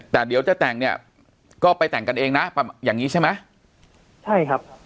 แต่เดี๋ยวจะแต่งเนี่ยก็ไปแต่งกันเองนะอย่างงี้ใช่ไหมใช่ครับ